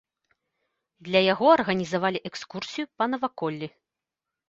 Для яго арганізавалі экскурсію па наваколлі.